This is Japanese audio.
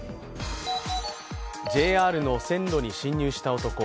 ＪＲの線路に侵入した男。